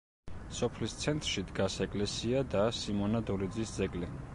სოფლის ცენტრში დგას ეკლესია და სიმონა დოლიძის ძეგლი.